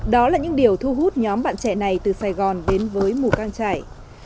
đó là những điều thu hút nhóm bạn trẻ này từ sài gòn đến với mù căng trải